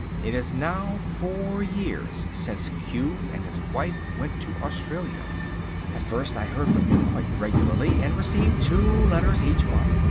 It is now four years since Q and his wife went to Australia. At first I heard from him quite regularly, and received two letters each month.